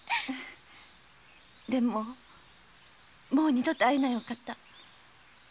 でももう二度と会えないお方。